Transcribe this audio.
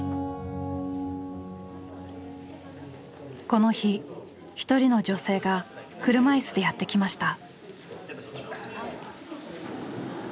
この日一人の女性が車椅子でやって来ました。